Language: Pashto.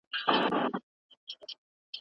د غچ اخیستلو پر ځای بښنه غوره لاره ده.